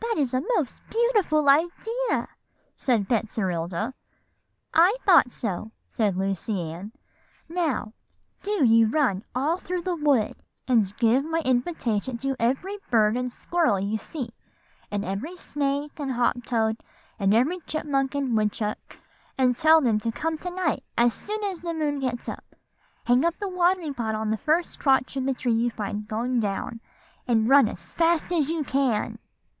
"'That is a most beautiful idea,' said Betserilda. "'I thought so,' said Lucy Ann. 'Now, do you run all through the wood, and give my invitation to every bird and squirrel you see, and every snake and hop toad, and every chipmunk and woodchuck, and tell them to come to night as soon as the moon gets up. Hang up the watering pot on the first crotch of the tree you find going down, and run as fast as you can.